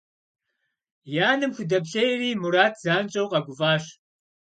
И анэм худэплъейри, Мурат занщӏэу къэгуфӏащ.